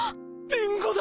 リンゴだ！